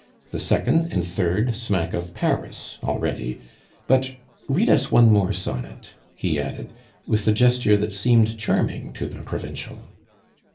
The second and third smack of Paris already; but read us one more sonnet," he added, with a gesture that seemed charming to the provincial.